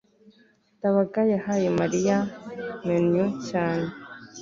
ndabaga yahaye mariya menu cyane